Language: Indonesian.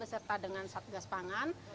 serta dengan satgas pangan